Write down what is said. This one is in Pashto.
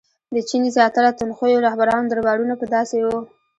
• د چین د زیاتره تندخویو رهبرانو دربارونه به داسې وو.